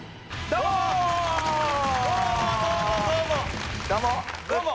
どうも！